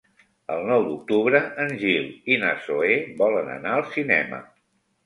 El nou d'octubre en Gil i na Zoè volen anar al cinema.